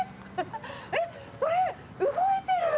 えっ、これ、動いている。